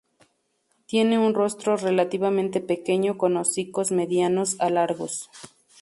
Tiene un rostro relativamente pequeño con hocicos medianos a largos.